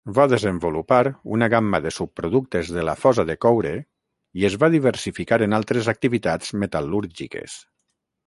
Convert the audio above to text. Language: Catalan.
Va desenvolupar una gamma de subproductes de la fosa de coure i es va diversificar en altres activitats metal·lúrgiques.